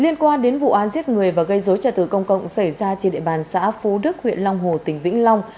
liên quan đến vụ án giết người và gây dối trả tự công cộng xảy ra trên địa bàn xã phú đức huyện long hồ tỉnh vĩnh long